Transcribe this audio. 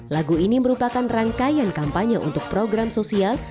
lagu ini merupakan rangkaian kampanye untuk program sosial